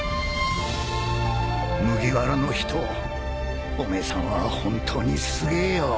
麦わらの人おめえさんは本当にすげえよ。